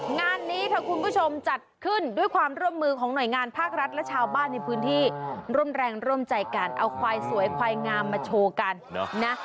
งานนี้ค่ะคุณผู้ชมจัดขึ้นด้วยความร่วมมือของหน่วยงานภาครัฐและชาวบ้านในพื้นที่ร่วมแรงร่วมใจกันเอาควายสวยควายงามมาโชว์กันนะ